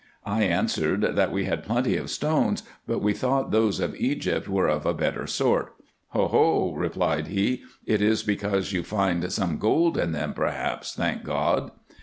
I answered, that we had plenty of stones, but we thought those of Egypt were of a better sort. " O ho !" replied he, " it is because you find some gold in them perhaps, thank God